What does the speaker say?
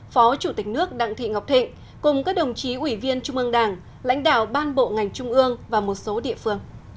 phó chủ tịch nước đặng thị ngọc thịnh cùng các đồng chí ủy viên trung ương đảng lãnh đạo ban bộ ngành trung ương và một số địa phương